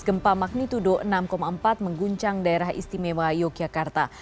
gempa magnitudo enam empat mengguncang daerah istimewa yogyakarta